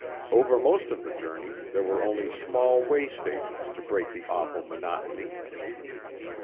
Over most of the journey there were only small way stations to break the awful monotony.